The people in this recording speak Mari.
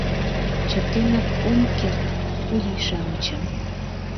Чытенак ом керт пудий-шамычым.